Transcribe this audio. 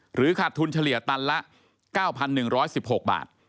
ขาดทุนเฉลี่ยตันละ๙๑๑๖บาท